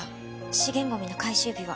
資源ゴミの回収日は？